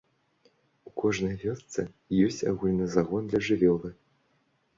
У кожнай вёсцы ёсць агульны загон для жывёлы.